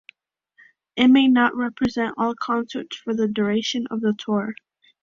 It may not represent all concerts for the duration of the tour.